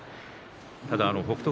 ただ、北勝